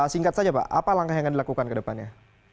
singkat saja pak apa langkah yang akan dilakukan ke depannya